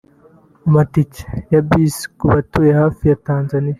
amatike ya bisi ku batuye hafi ya Tanzania